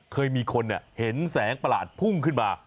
เคยมีคนเห็นแสงประหลาดพุ่งขึ้นมา